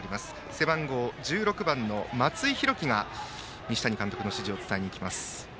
背番号１６番の松井弘樹が西谷監督の指示を伝えにいきます。